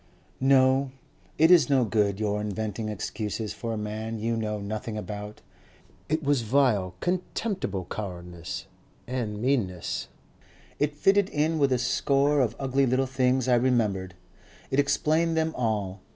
"No. It is no good your inventing excuses for a man you know nothing about. It was vile, contemptible cowardice and meanness. It fitted in with a score of ugly little things I remembered. It explained them all.